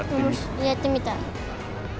やってみたい？